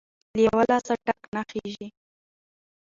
ـ له يوه لاسه ټک نخيژي.